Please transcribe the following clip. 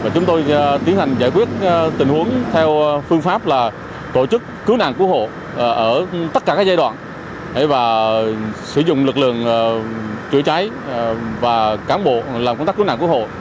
chúng tôi tiến hành giải quyết tình huống theo phương pháp là tổ chức cứu nạn cứu hộ ở tất cả các giai đoạn và sử dụng lực lượng chữa cháy và cán bộ làm công tác cứu nạn cứu hộ